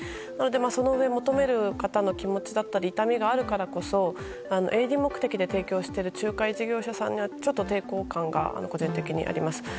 そのうえ、求める方の気持ちだったり痛みがあるからこそ営利目的で提供している仲介事業者さんにはちょっと抵抗感が個人的にあります。